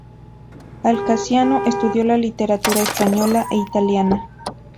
Alsaciano, estudió la literatura española e italiana.